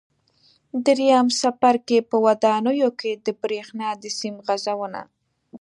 درېیم څپرکی: په ودانیو کې د برېښنا د سیم غځونه